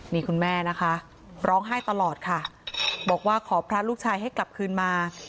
นี่คุณแม่นะคะร้องไห้ตลอดค่ะบอกว่าขอพระลูกชายให้กลับคืนมา